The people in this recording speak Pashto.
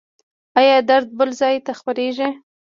ایا درد بل ځای ته خپریږي؟